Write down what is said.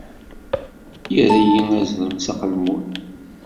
Irra-yi azrem s aqelmun.